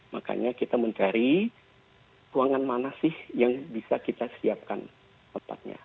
makanya kita mencari ruangan mana sih yang bisa kita siapkan tempatnya